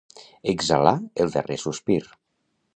Exhalar el darrer sospir.